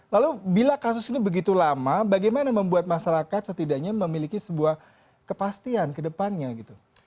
lalu bila kasus ini begitu lama bagaimana membuat masyarakat setidaknya memiliki sebuah kepastian ke depannya gitu